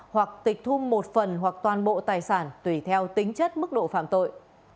hoặc tịch thu một phần hoặc toàn bộ tài sản tùy theo tính chất mức độ phạm tội